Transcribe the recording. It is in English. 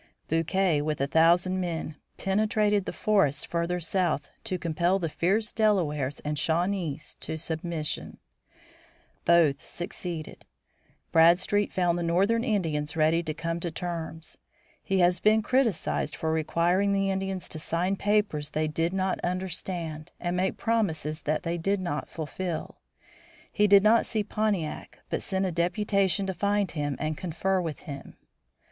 Bouquet, with a thousand men, penetrated the forests further south to compel the fierce Delawares and Shawnees to submission. Both succeeded. [Illustration: COUNCIL WITH COLONEL BOUQUET] Bradstreet found the northern Indians ready to come to terms. He has been criticised for requiring the Indians to sign papers they did not understand and make promises that they did not fulfill. He did not see Pontiac, but sent a deputation to find him and confer with him.